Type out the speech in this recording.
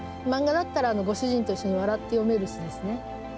漫画だったら、ご主人と一緒に笑って読めるしですね。